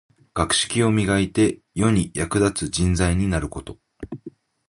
学識を磨いて、世に役立つ人材になること。